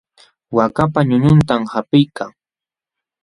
Waakapa ñuñuntam qapiykaa.